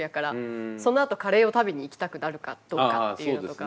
そのあとカレーを食べに行きたくなるかどうかっていうのとか。